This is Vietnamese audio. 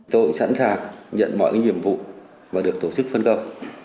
tôi sẵn sàng nhận mọi nhiệm vụ và được tổ chức phân cấp